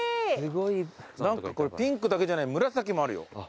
何かこれピンクだけじゃない紫もあるよよく見たら。